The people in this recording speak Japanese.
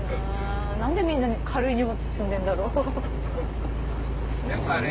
なんでみんな軽い荷物積んでるんだろう。